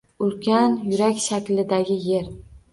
Ulkan yurak shaklidagi Yer…